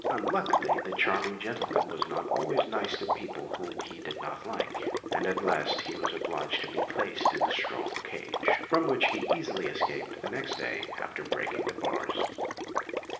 Unluckily this charming gentleman was not always nice to people whom he did not like, and at last he was obliged to be placed in a strong cage, from which he easily escaped the next day after breaking the bars.